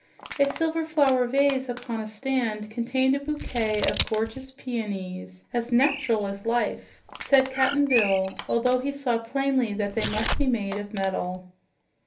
A silver flower vase upon a stand contained a bouquet of gorgeous peonies, "as nat'ral as life," said Cap'n Bill, although he saw plainly that they must be made of metal.